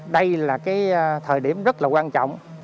đây là thời điểm rất quan trọng